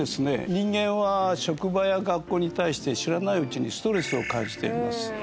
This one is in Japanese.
人間は職場や学校に対して知らないうちにストレスを感じています